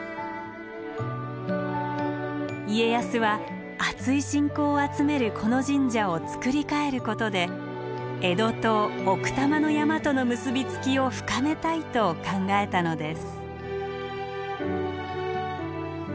家康はあつい信仰を集めるこの神社を造り替えることで江戸と奥多摩の山との結び付きを深めたいと考えたのです。